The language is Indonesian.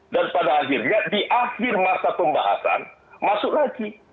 dan pada akhirnya di akhir masa pembahasan masuk lagi